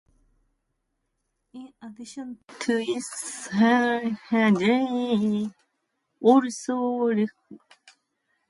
In addition to its lyrics, drill is also recognizable for its production style.